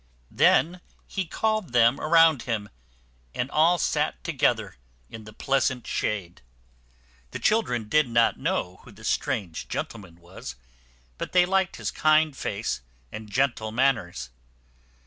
Then he called them around him, and all sat down to geth er in the pleasant shade. The children did not know who the strange gentleman was; but they liked his kind face and gentle manners.